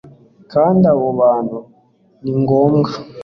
Kandi abo bantu ni ngombwa